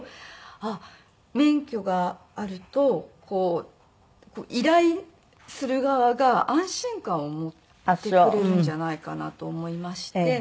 あっ免許があると依頼する側が安心感を持ってくれるんじゃないかなと思いまして。